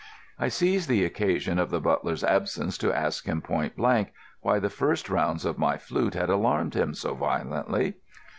I seized the occasion of the butler's absence to ask him point blank why the first sounds of my flute had alarmed him so violently.